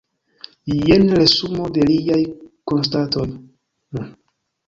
Jen resumo de liaj konstatoj.